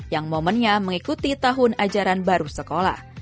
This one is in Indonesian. yang momennya mengikuti tahun ajaran baru sekolah